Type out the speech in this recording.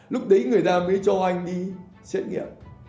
lúc đấy người ta mới cho anh đi xét nghiệm